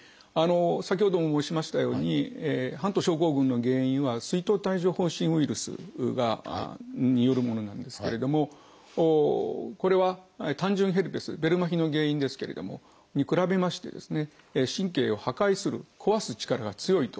先ほども申しましたようにハント症候群の原因は水痘・帯状疱疹ウイルスによるものなんですけれどもこれは単純ヘルペスベル麻痺の原因に比べまして神経を破壊する壊す力が強いとされています。